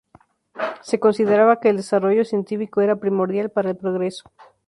Se consideraba que el desarrollo científico era primordial para el progreso.